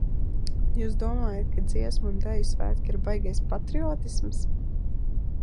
Jūs domājat, ka Dziesmu un Deju svētki ir baigais patriotisms?